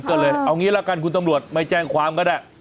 ก็เลยเอางี้ละกันคุณตำรวจไม่แจ้งความก็ได้